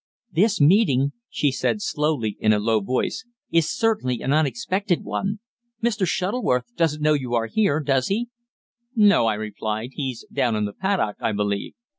"This meeting," she said slowly in a low voice, "is certainly an unexpected one. Mr. Shuttleworth doesn't know you are here, does he?" "No," I replied. "He's down in the paddock, I believe."